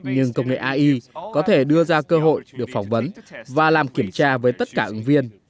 nhưng công nghệ ai có thể đưa ra cơ hội được phỏng vấn và làm kiểm tra với tất cả ứng viên